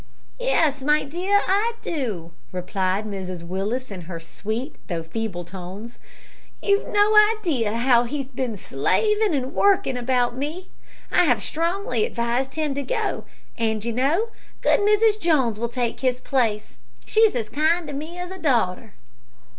"Yes, my dear, I do," replied Mrs Willis, in her sweet, though feeble tones. "You've no idea how he's been slaving and working about me. I have strongly advised him to go, and, you know, good Mrs Jones will take his place. She's as kind to me as a daughter."